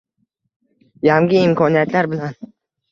Yangi imkoniyatlar bilan